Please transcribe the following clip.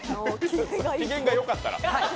機嫌がよかったら？